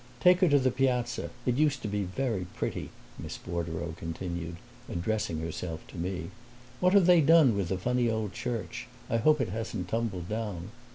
Take her to the Piazza; it used to be very pretty," Miss Bordereau continued, addressing herself to me. "What have they done with the funny old church? I hope it hasn't tumbled down.